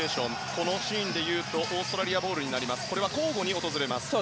このシーンでいうとオーストラリアボールでこれが交互に訪れます。